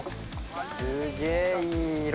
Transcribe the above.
すげいい色。